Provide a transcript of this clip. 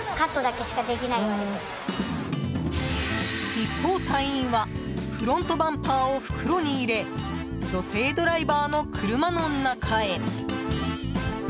一方、隊員はフロントバンパーを袋に入れ女性ドライバーの車の中へ。